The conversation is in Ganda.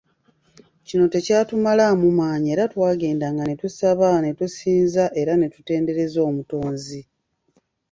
Kino tekyatumalaamu maanyi era twagendanga ne tusaba ne tusinza era ne tutendereza Omutonzi.